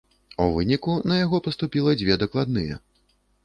У выніку на яго паступіла дзве дакладныя.